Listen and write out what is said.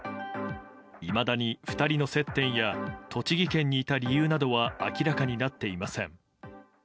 いまだに２人の接点や栃木県にいた理由などは明らかになっていません。